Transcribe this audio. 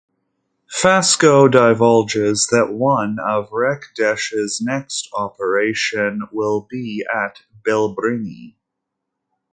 Fasgo divulges that one of Reck Desh's next operation will be at Bilbringi.